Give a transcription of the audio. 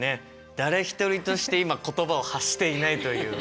誰一人として今言葉を発していないという。